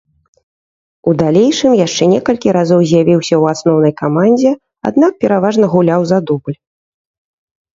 У далейшым яшчэ некалькі разоў з'явіўся ў асноўнай камандзе, аднак пераважна гуляў за дубль.